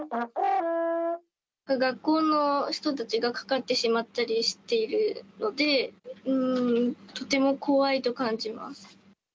学校の人たちがかかってしまったりしているので、とても怖いと感じます。